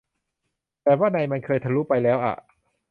แบบว่าใน มันเคยทะลุ ไปแล้วอะ